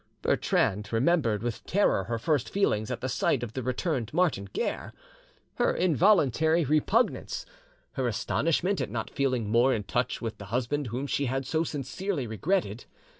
Bertrande remembered with terror her first feelings at the sight of the returned Martin Guerre, her involuntary repugnance, her astonishment at not feeling more in touch with the husband whom she had so sincerely regretted.